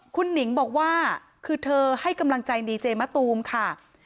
คุณหนิงบอกว่าคือเธอให้กำลังใจดีเจมะตูมค่ะ